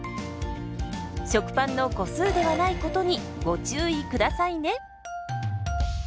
食パンの個数ではないことにご注意下さいね。